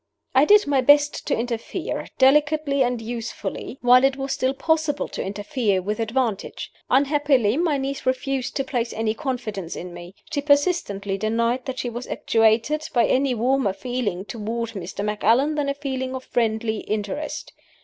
"I did my best to interfere, delicately and usefully, while it was still possible to interfere with advantage. Unhappily, my niece refused to place any confidence in me. She persistently denied that she was actuated by any warmer feeling toward Mr. Macallan than a feeling of friendly interest.